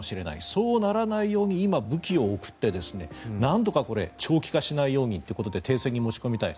そうならないように今、武器を送ってなんとか長期化しないようにということで停戦に持ち込みたい。